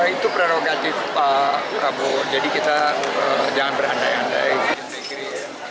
itu prerogatif pak prabowo jadi kita jangan berandai andai